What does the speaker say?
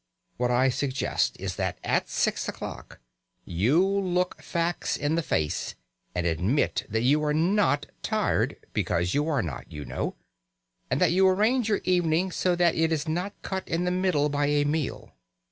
What I suggest is that at six o'clock you look facts in the face and admit that you are not tired (because you are not, you know), and that you arrange your evening so that it is not cut in the middle by a meal.